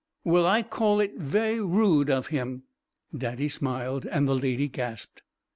"Well, I call it vewy rude of Him!" Daddy smiled, and the Lady gasped.